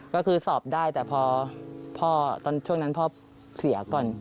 ก็คือสอบได้แต่พอพ่อตอนช่วงนั้นพ่อเสียก่อน